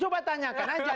coba tanyakan aja